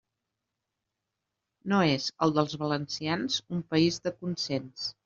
No és, el dels valencians, un país de consens.